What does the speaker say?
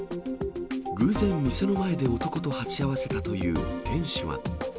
偶然、店の前で男と鉢合わせたという店主は。